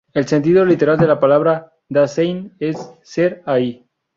El sentido literal de la palabra "Da-sein" es 'ser-ahí'.